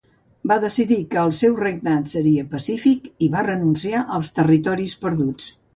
Va decidir que el seu regnat seria pacífic i va renunciar als territoris perduts.